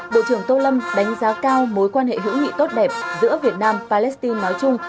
bộ trưởng tô lâm đánh giá cao mối quan hệ hữu nghị tốt đẹp giữa việt nam palestine nói chung